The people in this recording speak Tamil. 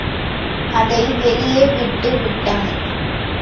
அதை வெளியே விட்டு விட்டான்.